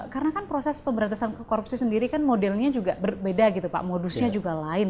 karena kan proses pemberantasan korupsi sendiri kan modelnya juga berbeda gitu pak modusnya juga lain